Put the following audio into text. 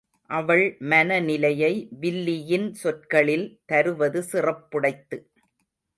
அவள் மனநிலையை வில்லியின் சொற்களில் தருவது சிறப்புடைத்து.